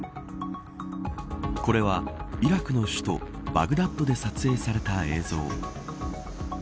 これはイラクの首都バグダッドで撮影された映像。